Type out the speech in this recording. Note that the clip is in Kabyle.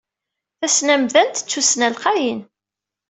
Tasnamdant d tussna lqayen.